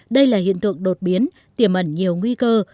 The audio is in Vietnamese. đây là hiện tượng đột biến tiềm ẩn nhiều nguy cơ